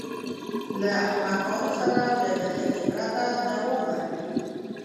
له احمقانو سره له نښتې پرته دوام ورکړي.